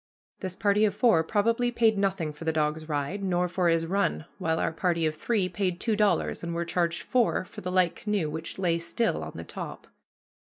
This party of four probably paid nothing for the dog's ride, nor for his run, while our party of three paid two dollars and were charged four for the light canoe which lay still on the top.